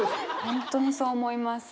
本当にそう思います。